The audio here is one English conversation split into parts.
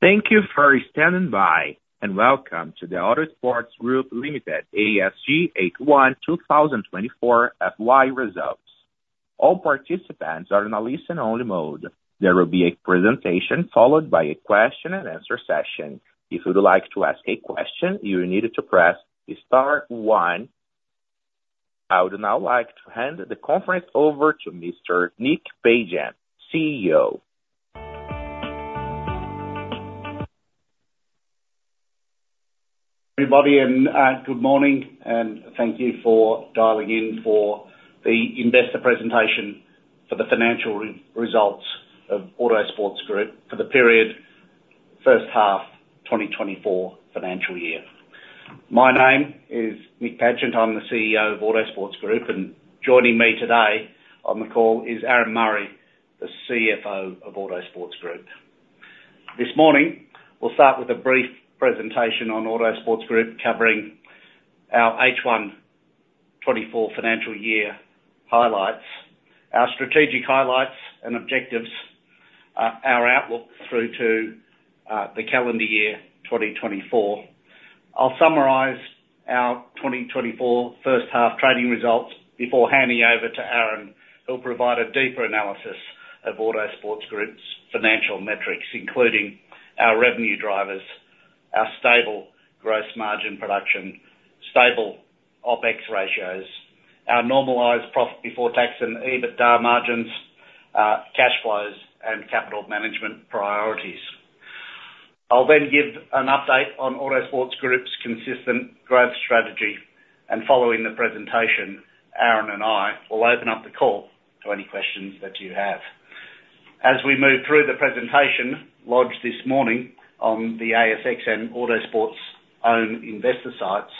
Thank you for standing by and welcome to the Autosports Group Limited H1 2024 FY results. All participants are in a listen-only mode. There will be a presentation followed by a question-and-answer session. If you would like to ask a question, you need to press star one. I would now like to hand the conference over to Mr. Nick Pagent, CEO. Everybody, good morning, and thank you for dialing in for the investor presentation for the financial results of Autosports Group for the period, H1 2024 financial year. My name is Nick Pagent. I'm the CEO of Autosports Group, and joining me today on the call is Aaron Murray, the CFO of Autosports Group. This morning, we'll start with a brief presentation on Autosports Group covering our H1 2024 financial year highlights, our strategic highlights and objectives, our outlook through to the calendar year 2024. I'll summarize our 2024 H1 trading results before handing over to Aaron, who'll provide a deeper analysis of Autosports Group's financial metrics, including our revenue drivers, our stable gross margin production, stable OpEx ratios, our normalized profit before tax and EBITDA margins, cash flows, and capital management priorities. I'll then give an update on Autosports Group's consistent growth strategy, and following the presentation, Aaron and I will open up the call to any questions that you have. As we move through the presentation launched this morning on the ASX and Autosports' own investor sites,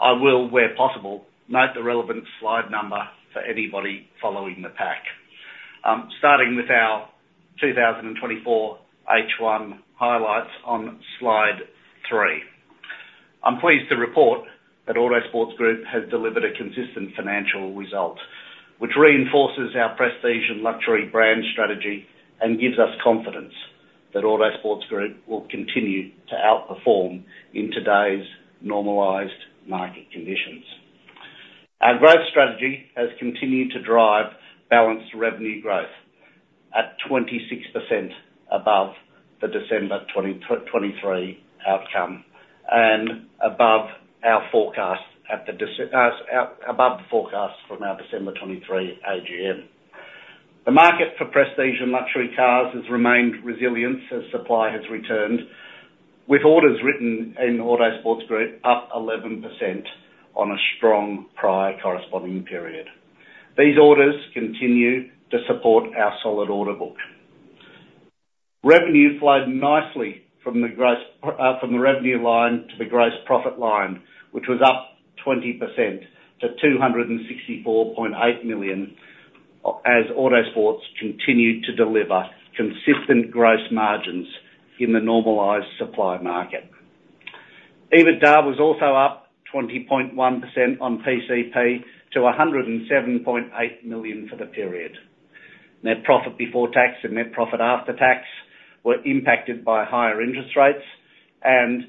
I will, where possible, note the relevant slide number for anybody following the pack. Starting with our 2024 H1 highlights on slide three, I'm pleased to report that Autosports Group has delivered a consistent financial result, which reinforces our prestige and luxury brand strategy and gives us confidence that Autosports Group will continue to outperform in today's normalized market conditions. Our growth strategy has continued to drive balanced revenue growth at 26% above the December 2023 outcome and above our forecasts from our December 2023 AGM. The market for prestige and luxury cars has remained resilient as supply has returned, with orders written in Autosports Group up 11% on a strong prior corresponding period. These orders continue to support our solid order book. Revenue flowed nicely from the revenue line to the gross profit line, which was up 20% to 264.8 million as Autosports continued to deliver consistent gross margins in the normalized supply market. EBITDA was also up 20.1% on PCP to 107.8 million for the period. Net profit before tax and net profit after tax were impacted by higher interest rates and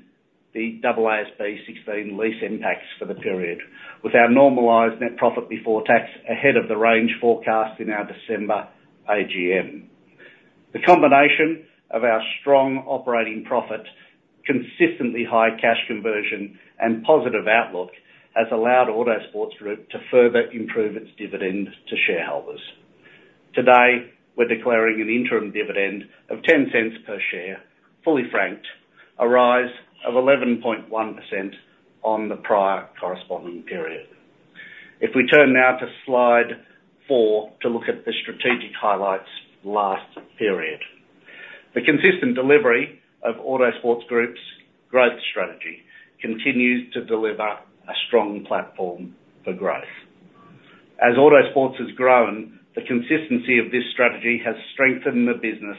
the AASB 16 lease impacts for the period, with our normalized net profit before tax ahead of the range forecast in our December AGM. The combination of our strong operating profit, consistently high cash conversion, and positive outlook has allowed Autosports Group to further improve its dividend to shareholders. Today, we're declaring an interim dividend of 0.10 per share, fully franked, a rise of 11.1% on the prior corresponding period. If we turn now to slide four to look at the strategic highlights last period, the consistent delivery of Autosports Group's growth strategy continues to deliver a strong platform for growth. As Autosports has grown, the consistency of this strategy has strengthened the business,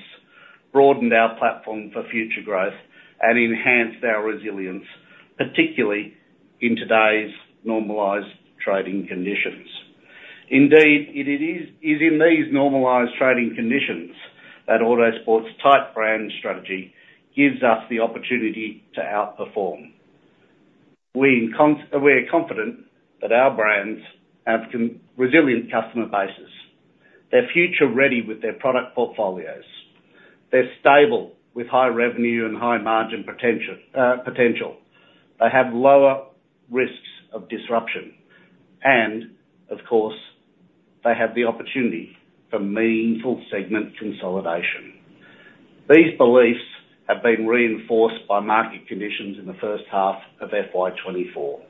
broadened our platform for future growth, and enhanced our resilience, particularly in today's normalized trading conditions. Indeed, it is in these normalized trading conditions that Autosports' tight brand strategy gives us the opportunity to outperform. We are confident that our brands have resilient customer bases. They're future-ready with their product portfolios. They're stable with high revenue and high margin potential. They have lower risks of disruption. And, of course, they have the opportunity for meaningful segment consolidation. These beliefs have been reinforced by market conditions in the H1 of FY 2024.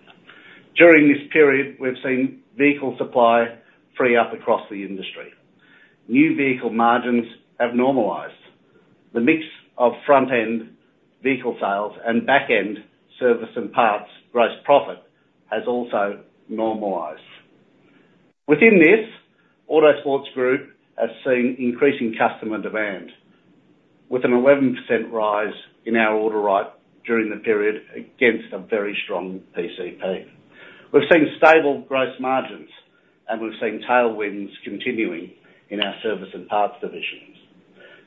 During this period, we've seen vehicle supply free up across the industry. New vehicle margins have normalized. The mix of front-end vehicle sales and back-end service and parts gross profit has also normalized. Within this, Autosports Group has seen increasing customer demand, with an 11% rise in our order write during the period against a very strong PCP. We've seen stable gross margins, and we've seen tailwinds continuing in our service and parts divisions.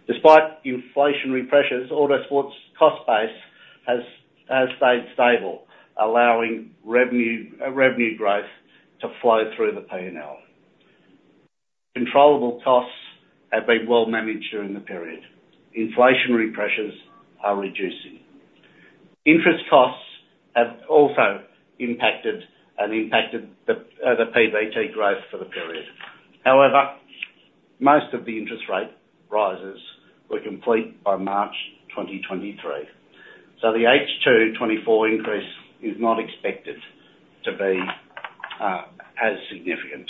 Despite inflationary pressures, Autosports' cost base has stayed stable, allowing revenue growth to flow through the P&L. Controllable costs have been well managed during the period. Inflationary pressures are reducing. Interest costs have also impacted and impacted the PBT growth for the period. However, most of the interest rate rises were complete by March 2023, so the H2 2024 increase is not expected to be as significant.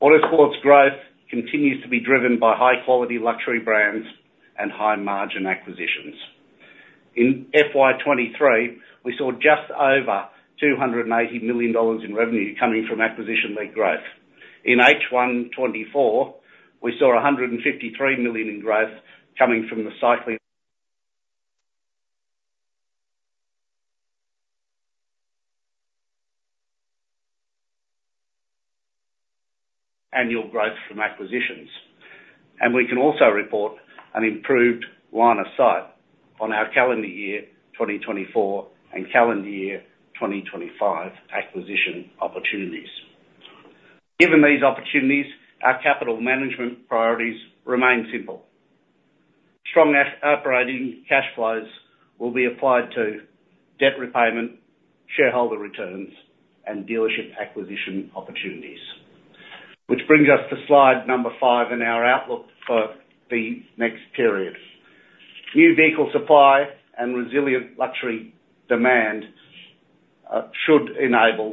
Autosports growth continues to be driven by high-quality luxury brands and high-margin acquisitions. In FY 2023, we saw just over 280 million dollars in revenue coming from acquisition-led growth. In H1 2024, we saw 153 million in growth coming from the cycling annual growth from acquisitions. We can also report an improved line of sight on our calendar year 2024 and calendar year 2025 acquisition opportunities. Given these opportunities, our capital management priorities remain simple. Strong operating cash flows will be applied to debt repayment, shareholder returns, and dealership acquisition opportunities, which brings us to slide number five in our outlook for the next period. New vehicle supply and resilient luxury demand should enable.